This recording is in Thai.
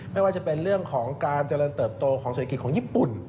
ไม่ว่าจะเป็นเรื่องของการเจริญเติบโตของเศรษฐกิจของญี่ปุ่น